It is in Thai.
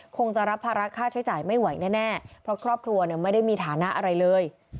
คงจะรับภาระค่าใช้จ่ายไม่ไหวแน่เพราะครอบครัวเนี่ยไม่ได้มีฐานะอะไรเลย